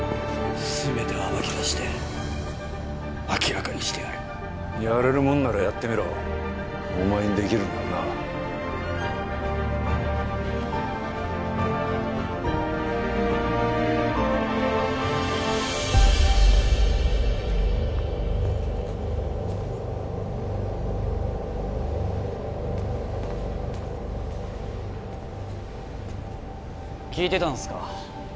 全てを暴きだして明らかにしてやるやれるもんならやってみろお前にできるならな聞いてたんすか？